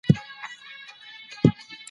نورو ته ګوته مه نیسئ.